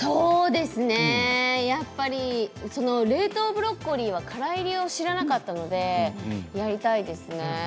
やっぱり冷凍ブロッコリーはからいりをしなかったのでやりたいですね。